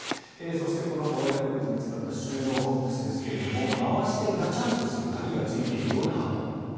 そして、この薬物が見つかった収納ボックスですが回してガチャンとする鍵がついているような箱。